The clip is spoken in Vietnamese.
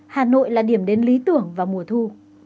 hà nội là điểm đến lý tưởng vào mùa thu